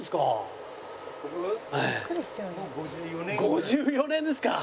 ５４年ですか！